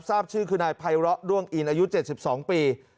ทราบชื่อคือนายไพร้อด้วงอินอายุ๗๒ปี